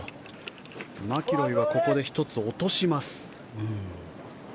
マキロイはここで１つ落とします。